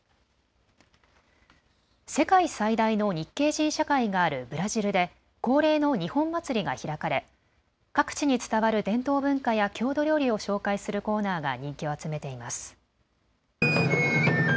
世界最大の日系人社会があるブラジルで恒例の日本祭りが開かれ各地に伝わる伝統文化や郷土料理を紹介するコーナーが人気を集めています。